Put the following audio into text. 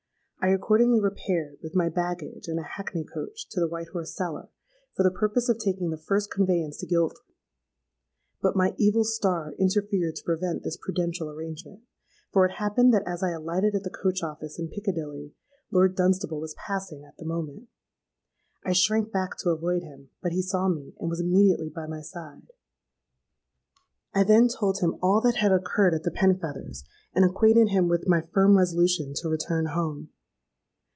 I accordingly repaired, with my baggage, in a hackney coach to the White Horse Cellar, for the purpose of taking the first conveyance to Guilford. But my evil star interfered to prevent this prudential arrangement; for it happened that as I alighted at the coach office in Piccadilly, Lord Dunstable was passing at the moment. I shrank back to avoid him; but he saw me, and was immediately by my side. I then told him all that had occurred at the Penfeathers', and acquainted him with my firm resolution to return home.